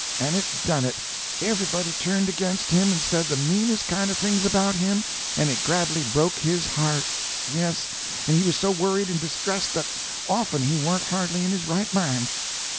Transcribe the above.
And it done it. Everybody turned against him and said the meanest kind of things about him, and it graduly broke his heart—yes, and he was so worried and distressed that often he warn't hardly in his right mind.